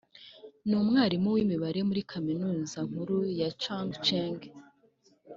ni umwarimu w’ imibare muri kaminuza nkuru ya chung cheng